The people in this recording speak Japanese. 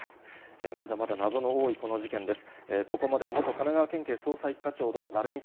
まだまだ謎の多いこの事件です。